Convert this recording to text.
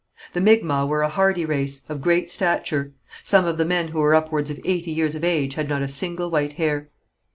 The Micmacs were a hardy race, of great stature. Some of the men who were upwards of eighty years of age had not a single white hair.